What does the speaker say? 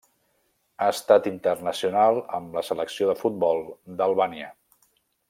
Ha estat internacional amb la Selecció de futbol d'Albània.